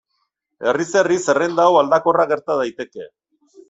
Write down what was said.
Herriz-herri zerrenda hau aldakorra gerta daiteke.